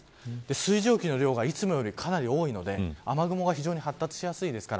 水蒸気の量がいつもよりかなり多いので、雨雲が非常に発達しやすいです。